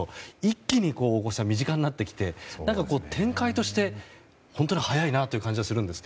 一気に身近になってきて展開として本当に早いなという感じがするんですが。